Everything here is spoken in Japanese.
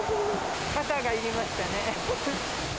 傘がいりましたね。